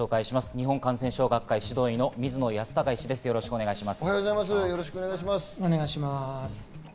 日本感染症学会・指導医の水野泰孝医師です、よろしくお願いします。